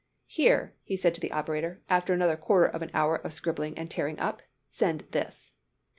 "Here," he said to the operator after another quarter of an hour of scribbling and tearing up, "send this."